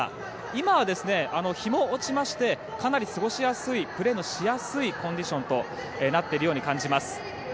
今は、日も落ちましてかなり過ごしやすくプレーのしやすいコンディションになっているように感じます。